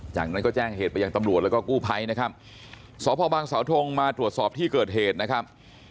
จากนั้นก็แจ้งเหตุไปยังตำรวจแล้วก็กู้ภัยนะครับสพบางสาวทงมาตรวจสอบที่เกิดเหตุนะครับ